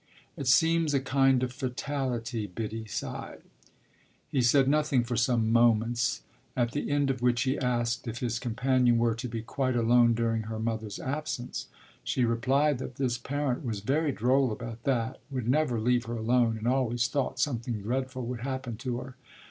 "It seems a kind of fatality!" Biddy sighed. He said nothing for some moments, at the end of which he asked if his companion were to be quite alone during her mother's absence. She replied that this parent was very droll about that: would never leave her alone and always thought something dreadful would happen to her.